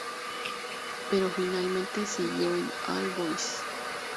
Pero finalmente siguió en All Boys.